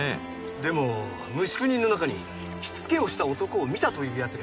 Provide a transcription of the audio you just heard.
でも無宿人の中に火付けをした男を見たという奴がいたんです。